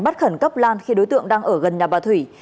bắt khẩn cấp lan khi đối tượng đang ở gần nhà bà thủy